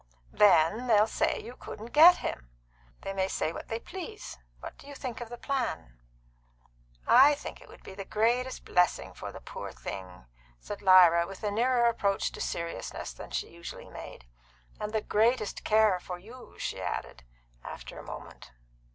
"Then they'll say you couldn't get him." "They may say what they please. What do you think of the plan?" "I think it would be the greatest blessing for the poor little thing," said Lyra, with a nearer approach to seriousness than she usually made. "And the greatest care for you," she added, after a moment.